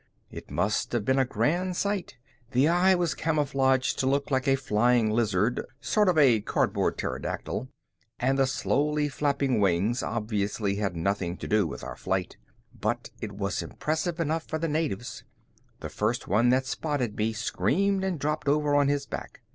It must have been a grand sight. The eye was camouflaged to look like a flying lizard, sort of a cardboard pterodactyl, and the slowly flapping wings obviously had nothing to do with our flight. But it was impressive enough for the natives. The first one that spotted me screamed and dropped over on his back.